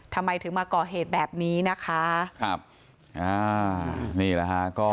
ทำไมถึงมาก่อเหตุแบบนี้นะคะครับอ่านี่แหละฮะก็